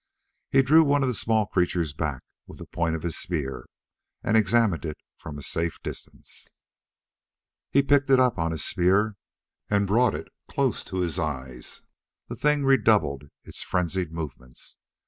He drew one of the small creatures back with the point of his spear and examined it from a safe distance. He picked it up on his spear and brought it close to his eyes. The thing redoubled its frenzied movements.